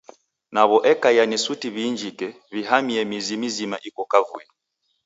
Naw'o ekaia suti w'iinjike, w'ihamie mizi mizima iko kavui.